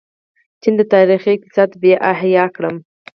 چین د تاریخي اقتصاد بیا احیا کړې.